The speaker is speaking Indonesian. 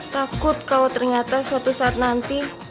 takut kalau ternyata suatu saat nanti